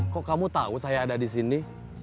kok kamu tahu saya ada di sini